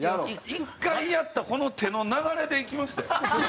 １回やったこの手の流れでいきましたよ。